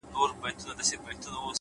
هره ورځ د نوې انرژۍ سرچینه ده’